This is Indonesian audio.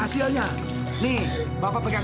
hasilnya nih bapak pegang